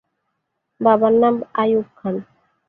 বাবার নাম আইয়ুব খান।